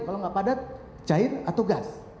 kalau nggak padat cair atau gas